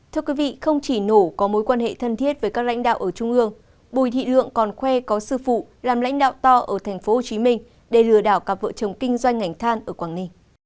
thưa quý vị không chỉ nổ có mối quan hệ thân thiết với các lãnh đạo ở trung ương bùi thị lượng còn khoe có sư phụ làm lãnh đạo to ở tp hcm để lừa đảo cặp vợ chồng kinh doanh ngành than ở quảng ninh